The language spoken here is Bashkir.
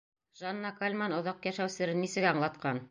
Жанна Кальман оҙаҡ йәшәү серен нисек аңлатҡан?